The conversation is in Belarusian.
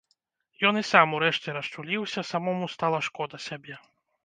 Ён і сам урэшце расчуліўся, самому стала шкода сябе.